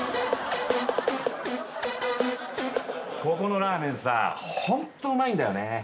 ここのラーメンさホントうまいんだよね。